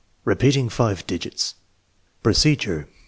Repeating five digits Procedure.